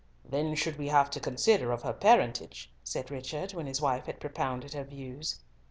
"Then should we have to consider of her parentage," said Richard, when his wife had propounded her views.